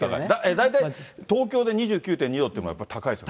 大体東京で２９．２度というのもやっぱり高いですか？